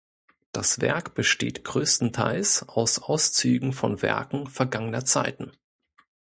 Das Werk besteht größtenteils aus Auszügen von Werken vergangener Zeiten.